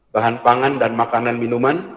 bahan pangan dan makanan minuman